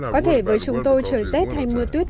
có thể với chúng tôi trời rét hay mưa tuyết